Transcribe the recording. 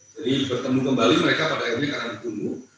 jadi bertemu kembali mereka pada akhirnya karena ditunggu